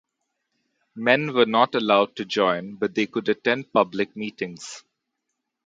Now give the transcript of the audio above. Men were not allowed to join but they could attend public meetings.